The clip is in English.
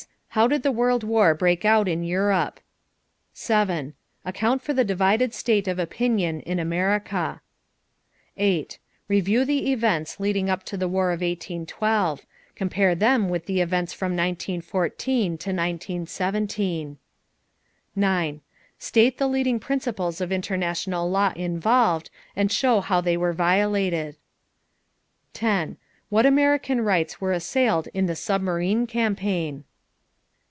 How did the World War break out in Europe? 7. Account for the divided state of opinion in America. 8. Review the events leading up to the War of 1812. Compare them with the events from 1914 to 1917. 9. State the leading principles of international law involved and show how they were violated. 10. What American rights were assailed in the submarine campaign?